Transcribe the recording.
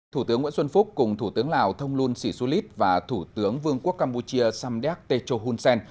thủ tướng nguyễn xuân phúc cùng thủ tướng lào thông luân sĩ xu lít và thủ tướng vương quốc campuchia samdek techo hun sen